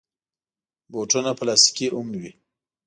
بوټونه پلاستيکي هم وي.